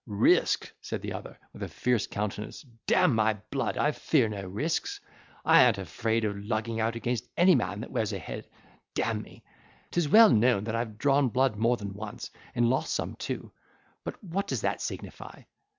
"Risk!" said the other with a fierce countenance, "d—n my blood! I fear no risks. I an't afraid of lugging out against any man that wears a head, d—me! 'Tis well known that I have drawn blood more than once, and lost some too; but what does that signify?"